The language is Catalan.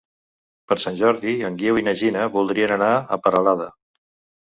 Per Sant Jordi en Guiu i na Gina voldrien anar a Peralada.